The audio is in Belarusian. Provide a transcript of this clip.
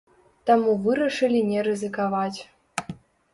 Таму вырашылі не рызыкаваць.